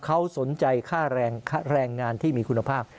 เขาสนใจค่าแรงงานที่มีคุณภาพ